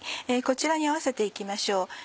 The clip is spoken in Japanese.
こちらに合わせて行きましょう。